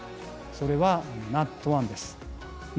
それはＮＡＴ１です。